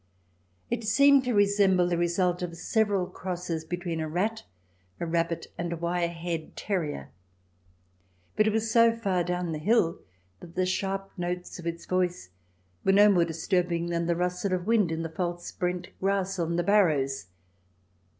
It seemed to resemble the result of several crosses between a rat, a rabbit, and a wire haired terrier. But it was so far down the hill that the sharp notes of its voice were no more disturbing than the rustle of wind in the false brent grass on the barrows.